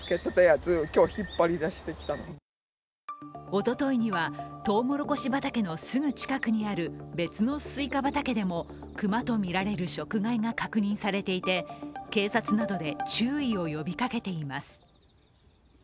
おとといには、とうもろこし畑のすぐ近くにある別のすいか畑でも熊とみられる食害が確認されていて警察などで注意を呼びかけています。